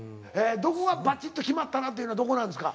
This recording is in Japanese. どこがバチッと決まったなっていうのはどこなんですか？